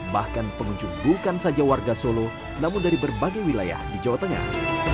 bahkan pengunjung bukan saja warga solo namun dari berbagai wilayah di jawa tengah